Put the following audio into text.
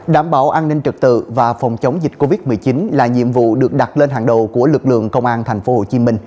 đảm bảo an ninh trật tự và phòng chống dịch covid một mươi chín là nhiệm vụ được đặt lên hàng đầu của lực lượng công an tp hcm